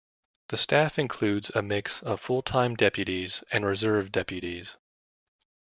The staff includes a mix of full-time deputies and reserve deputies.